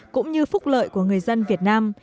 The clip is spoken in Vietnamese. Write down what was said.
cũng như phúc lợi của người dân việt nam